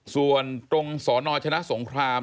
ส่วนตรงสนชนะสงคราม